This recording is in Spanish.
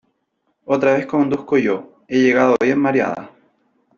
Otra vez conduzco yo; he llegado bien mareada.